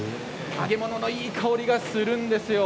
揚げ物のいい香りがしています。